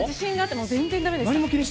全然だめでした。